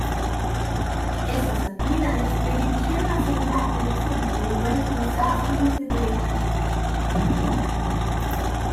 Estas actividades le dirigieron hacia la interpretación en lugar de cursar estudios de derecho.